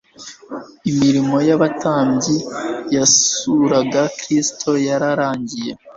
"Imirimo y'abatambyi yasuraga Kristo yararangiye;